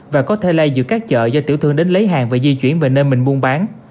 và có thể lây giữa các chợ do tiểu thương đến lấy hàng và di chuyển về nơi mình buôn bán